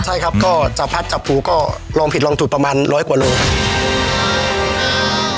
ใช่ครับก็จับพัดจับภูก็ลองผิดลองถูกประมาณร้อยกว่าโลครับ